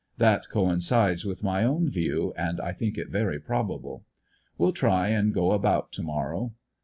That coincides with my own view, and I think it very probable. Will try and go about to morrow.